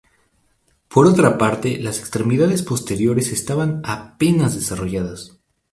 Por otra parte, las extremidades posteriores estaban apenas desarrolladas.